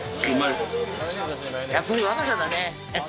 やっぱり若さだね。